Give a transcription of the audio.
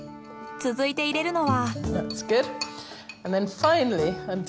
続いて入れるのは。